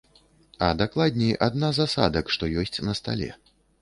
А дакладней, адна з асадак, што ёсць на стале.